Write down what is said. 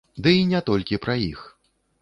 Дый не толькі пра іх.